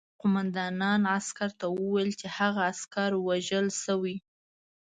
قوماندان عسکر ته وویل چې هغه عسکر وژل شوی